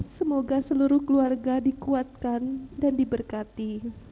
semoga seluruh keluarga dikuatkan dan diberkati